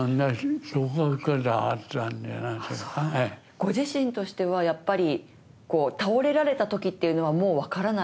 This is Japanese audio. ご自身としてはやっぱり倒れられたときっていうのはもうわからない？